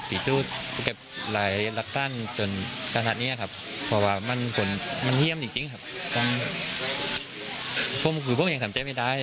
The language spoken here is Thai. เพราะเป็นคนคนที่ดิสมากและมีอัศวินในภาวะดูดี